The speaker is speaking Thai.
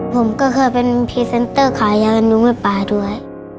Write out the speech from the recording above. ผมก็เคยเป็นพรีเซนเตอร์ขายยานุ้งกับป่าด้วย